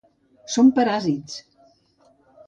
Són paràsits.